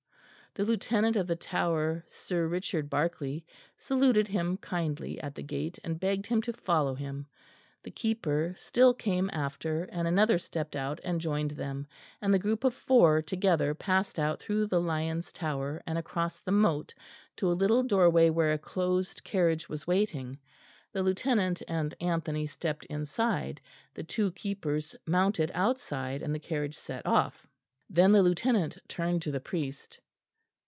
The Lieutenant of the Tower, Sir Richard Barkley, saluted him kindly at the gate, and begged him to follow him; the keeper still came after and another stepped out and joined them, and the group of four together passed out through the Lion's Tower and across the moat to a little doorway where a closed carriage was waiting. The Lieutenant and Anthony stepped inside; the two keepers mounted outside; and the carriage set off. Then the Lieutenant turned to the priest.